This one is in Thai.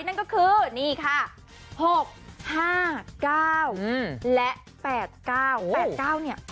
นั่นก็คือนี่ค่ะหกห้าเก้าอืมและแปดเก้าแปดเก้าเนี่ย